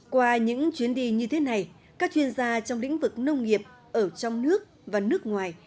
qua những chuyến đi như thế này các chuyên gia trong lĩnh vực nông nghiệp ở trong nước và nước ngoài